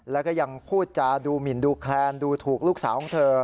แล้วก็ยังพูดจาดูหมินดูแคลนดูถูกลูกสาวของเธอ